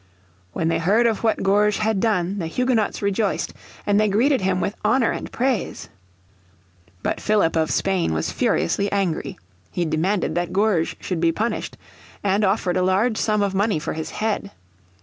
When they heard of what Gourges had done the Huguenots rejoiced, and they greeted him with honour and praise. But Philip of Spain was furiously angry. He demanded that Gourges should be punished, and offered a large sum of money for his head.